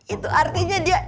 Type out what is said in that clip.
itu artinya dia